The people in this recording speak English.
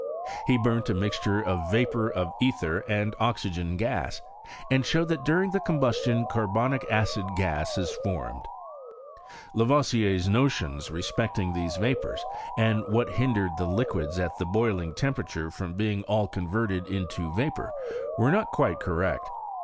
He burnt a mixture of vapour of ether and oxj^eu gas, and showed that during the combustion car bonic acid gas is formed. Lavoisier's notions t& specting these vapours, and what hindered the liquids at the boiling temperature from being all converted into vapour were not quite correct.